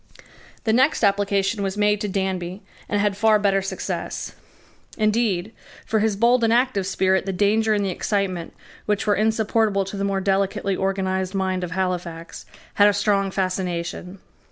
The next application was made to Danby, and had far better success. Indeed, for his bold and active spirit the danger and the excitement, which were insupportable to the more delicately organized mind of Halifax, had a strong fascination.